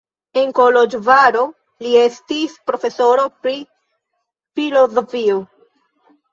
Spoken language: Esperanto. En Koloĵvaro li estis profesoro pri filozofio.